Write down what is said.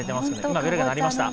今、ベルが鳴りました。